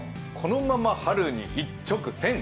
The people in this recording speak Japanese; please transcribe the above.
このまま春に一直線？